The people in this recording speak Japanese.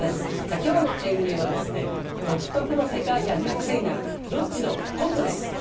今日の演芸はですね独特の世界観が癖になるロッチのコントです。